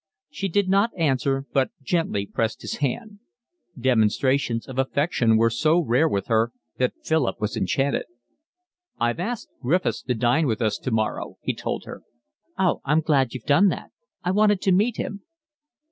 She did not answer, but gently pressed his hand. Demonstrations of affection were so rare with her that Philip was enchanted. "I've asked Griffiths to dine with us tomorrow," he told her. "Oh, I'm glad you've done that. I wanted to meet him."